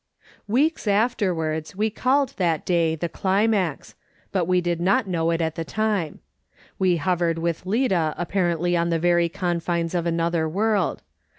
Weeks afterwards we called that day the climax ; but we did not know it at the time. We hovered with Lida apparently on the very confines of another world.